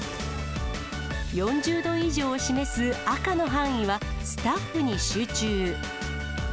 ４０度以上を示す赤の範囲は、スタッフに集中。